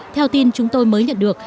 theo tin chúng tôi mới nhận được